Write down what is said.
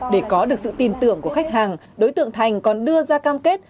để có được sự tin tưởng của khách hàng đối tượng thành còn đưa ra cam kết